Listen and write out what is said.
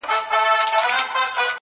زر کلونه څه مستی څه خمار یووړل!.